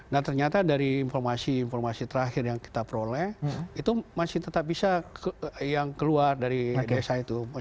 nah ternyata dari informasi informasi terakhir yang kita peroleh itu masih tetap bisa yang keluar dari desa itu